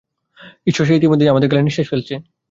ঈশ্বর, সে ইতোমধ্যেই আমাদের ঘাড়ে নিশ্বাস ফেলছে।